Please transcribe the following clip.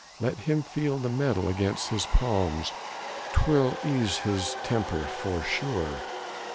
let him feel the metal against his palms, 'twill ease his temper for sure!